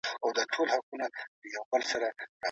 که ساینس عملي تدریس سي، موضوع نه مبهمه کېږي.